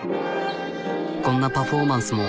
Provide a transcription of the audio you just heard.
こんなパフォーマンスも。